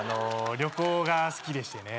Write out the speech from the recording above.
旅行が好きでしてね